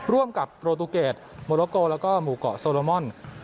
ร่วมกับโปรตูเกรดโมโลโกแล้วก็หมู่เกาะโซโลมอน